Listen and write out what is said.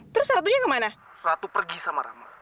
terus ratunya kemana